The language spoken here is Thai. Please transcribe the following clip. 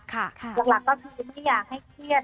หลักก็ไม่อยากให้เทียด